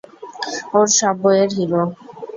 ওর সব বইয়ের হিরো।